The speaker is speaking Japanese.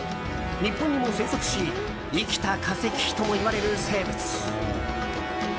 日本にも生息し生きた化石ともいわれる生物。